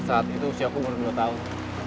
saat itu usia aku umur dua tahun